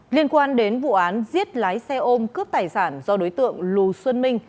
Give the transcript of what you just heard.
liên quan đến vụ án giết lái xe ôm cướp tài sản do đối tượng lù xuân minh